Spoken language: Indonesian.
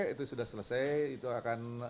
itu sudah selesai itu akan